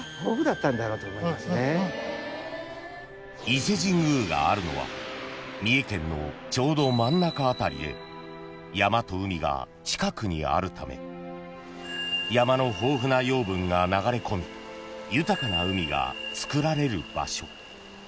［伊勢神宮があるのは三重県のちょうど真ん中辺りで山と海が近くにあるため山の豊富な養分が流れ込み豊かな海がつくられる場所］